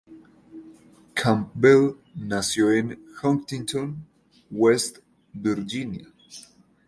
Campbell nació en Huntington, West Virginia.